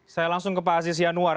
saya langsung ke pak aziz yanuar